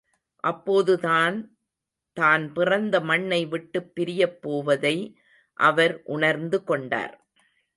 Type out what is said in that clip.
அப்போதுதான் தான் பிறந்த மண்ணை விட்டுப் பிரியப் போவதை அவர் உணர்ந்து கொண்டார்.